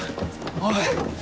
おい。